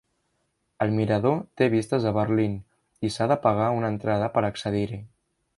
El mirador té vistes a Berlín i s'ha de pagar una entrada per accedir-hi.